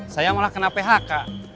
saya malah kena phk